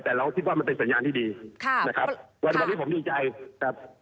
แต่เราก็คิดว่ามันเป็นสัญญาณที่ดีนะครับครับครับ